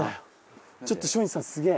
ちょっと松陰寺さんすげえ。